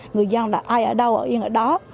người dân ai ở đâu ở yên ở đó